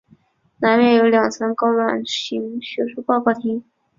南面有两层高卵形学术报告厅。